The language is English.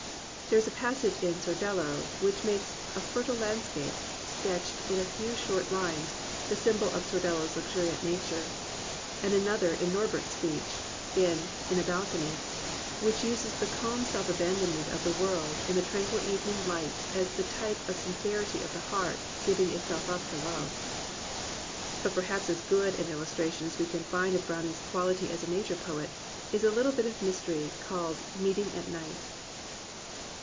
There is a passage in Sordello which makes a fertile landscape, sketched in a few swift lines, the symbol of Sordello's luxuriant nature; and another in Norbert*s speech, in In a Balcony, which uses the calm self abandonment of the world in the tranquil evening light as the type of the sin« cerity of the heart giving itself up to love. But perhaps as good an illustration as we can find of Browning's quality as a Nature poet, is a Httle bit of mystery called Meeting at Night.